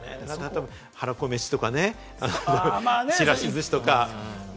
はらこ飯とかね、ちらしずしとかね。